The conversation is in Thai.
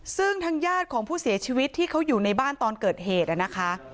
ซึ่งทางญาติของผู้เสียชีวิตที่เขาอยู่ในบ้านตอนเกิดเหตุนะคะ